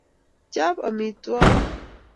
chap amitwokik